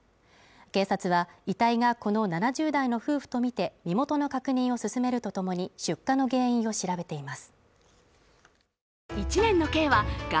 警察は遺体がこの７０代の夫婦とみて身元の確認を進めるとともに出火の原因を調べています。